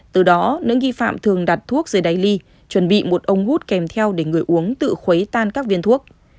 từ đó những nghi phạm thường đặt thuốc dưới đáy ly chuẩn bị một ống hút kèm theo để người uống tự khuấy tan các viên thuốc